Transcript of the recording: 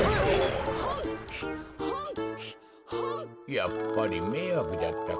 やっぱりめいわくじゃったか。